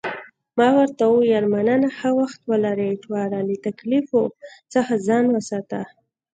ما ورته وویل، مننه، ښه وخت ولرې، ایټوره، له تکالیفو څخه ځان ساته.